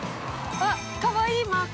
◆かわいいマーク。